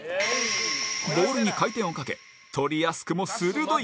ボールに回転をかけ捕りやすくも鋭いパス